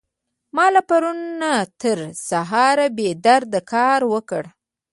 ما له پرون نه تر سهاره بې درده کار وکړ.